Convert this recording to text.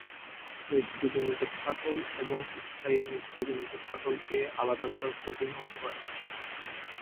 মৃত্যুজনিত ফাটল এবং স্থায়ী মৃত্যুজনিত ফাটলকে আলাদা করা কঠিন হতে পারে।